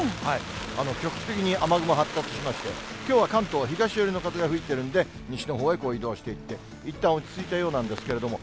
局地的に雨雲発達しまして、きょうは関東は東寄りの風が吹いてるんで、西のほうへ移動していって、いったん落ち着いたようなんですけれども。